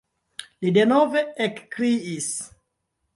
Li denove ekkriis.